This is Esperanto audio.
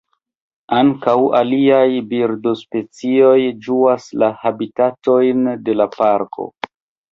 Ankaŭ aliaj birdospecioj ĝuas la habitatojn de la parko.